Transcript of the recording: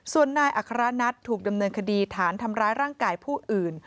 ส่วนนายอัครนัทถูกดำเนินคดีฐานทำร้ายร่างกายผู้อื่น